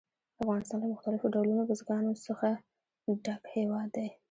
افغانستان له مختلفو ډولونو بزګانو څخه ډک هېواد دی.